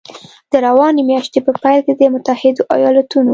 د روانې میاشتې په پیل کې د متحدو ایالتونو